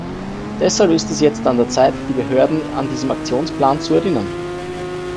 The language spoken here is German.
Deshalb ist es jetzt an der Zeit, die Behörden an diesen Aktionsplan zu erinnern.